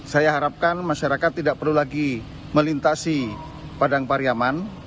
saya harapkan masyarakat tidak perlu lagi melintasi padang pariaman